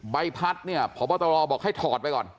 ใบพัดเนี่ยพ่อป้าตัวรอบอกให้ถอดไปก่อน